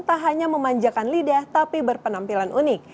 tak hanya memanjakan lidah tapi berpenampilan unik